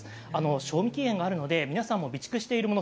賞味期限があるので皆さんも備蓄しているもの